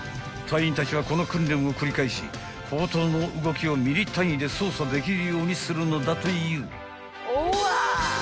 ［隊員たちはこの訓練を繰り返し砲塔の動きをミリ単位で操作できるようにするのだという］